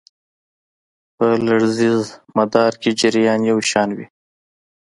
په لړیز مدار کې جریان یو شان وي.